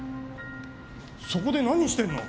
そこで何してんの？